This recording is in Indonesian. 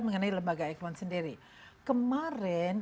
mengenai lembaga ekman sendiri kemarin